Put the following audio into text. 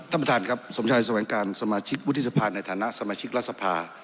ท่านประธานครับสมชายแสวงการสมาชิกวุฒิสภาในฐานะสมาชิกรัฐสภา